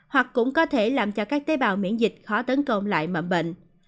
hoặc cũng có thể làm cho các tế bào miễn dịch khó tấn công lại mậm bệnh